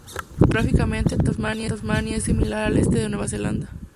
Geográficamente, Tasmania es similar al este de Nueva Zelanda.